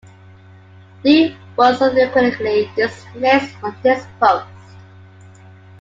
Liu was subsequently dismissed from his post.